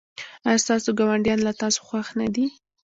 ایا ستاسو ګاونډیان له تاسو خوښ نه دي؟